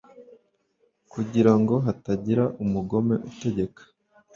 kugira ngo hatagira umugome utegeka